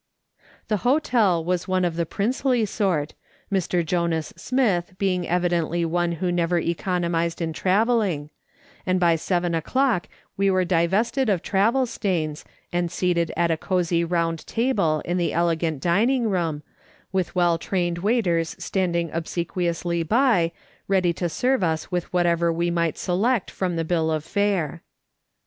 The hotel was one of the princely sort, Mr. Jonas Smith being evidently one who never economised in travelling, and by seven o'clock we were divested of travel stains, and seated at a cosy round table in the elegant dining room, with well trained waiters 238 M/!S. SOLOMON SMITH LOOKING ON. standing obsequiously by, ready to serve us with whatever we might select from the bill of fare.